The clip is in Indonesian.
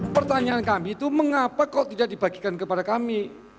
pertanyaan kami itu mengapa kok tidak dibagikan kepada kami